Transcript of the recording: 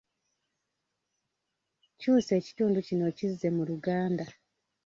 Kyusa ekitundu kino okizze mu Luganda.